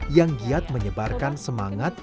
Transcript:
yang giat menyebarkan semangat